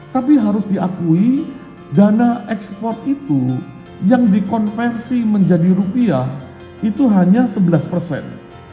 tapi harus diakui dana ekspor itu yang dikonversi menjadi rupiah itu hanya sebelas persen